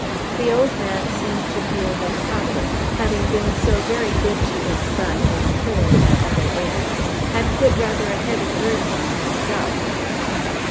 The old man seemed to feel that Providence, having been so very good to his son in killing that other heir, had put rather a heavy burden on himself.